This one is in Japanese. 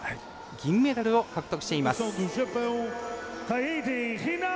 銀メダルを獲得しています。